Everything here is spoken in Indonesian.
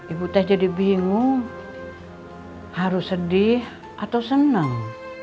ibu teh jadi bingung harus sedih atau senang